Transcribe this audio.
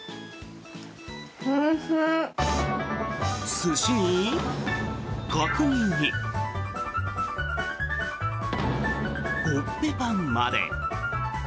寿司に角煮にコッペパンまで。